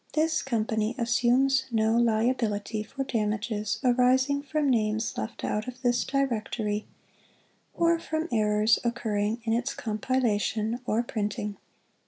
This Company Assumes no Liability for damages arising from names left out of this Directory or from errors occurring in its compila tion or printing.